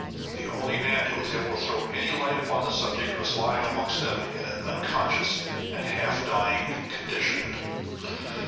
The only man who was able to throw any light upon the subject was lying amongst them in an unconscious and half dying condition.